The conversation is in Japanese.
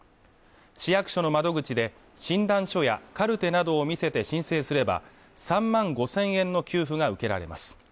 市役所の窓口で診断書やカルテなどを見せて申請すれば３万５０００円の給付が受けられます